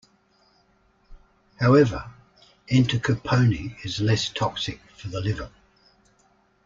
However, entacapone is less toxic for the liver.